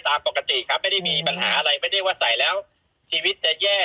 ตามปกติครับไม่ได้มีปัญหาอะไรไม่ได้ว่าใส่แล้วชีวิตจะแย่